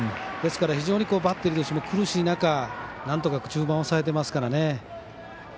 ですから、非常にバッテリーとしても苦しい中なんとか中盤を抑えてますからね。